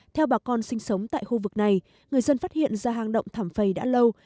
theo bà con sinh sống tại khu vực này người dân phát hiện ra hang động thảm phầy đã lâu